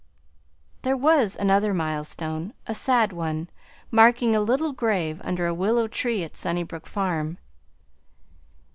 There was another milestone, a sad one, marking a little grave under a willow tree at Sunnybrook Farm.